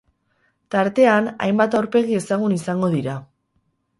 Tartean, hainbat aurpegi ezagun izango dira.